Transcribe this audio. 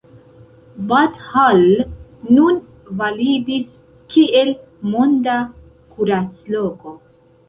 Bad Hall nun validis kiel „monda kuracloko“.